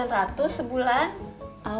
rp sembilan ratus sebulan